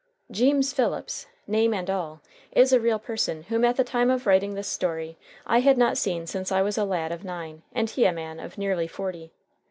"Jeems Phillips," name and all, is a real person whom at the time of writing this story I had not seen since I was a lad of nine and he a man of nearly forty.